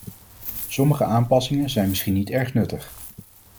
Sommige aanpassingen zijn misschien niet erg nuttig.